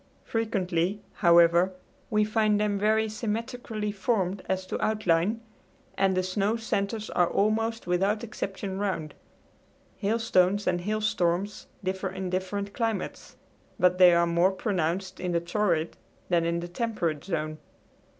Frequently, however, we find them very symmetrically formed as to outline, and the snow centers are almost without exception round. Hailstones and hailstorms differ in different climates, but they are more pronounced in the torrid than in the temperate zone.